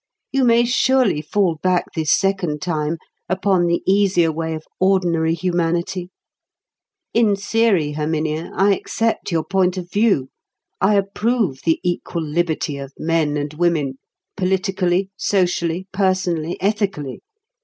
You may surely fall back this second time upon the easier way of ordinary humanity. In theory, Herminia, I accept your point of view; I approve the equal liberty of men and women, politically, socially, personally, ethically.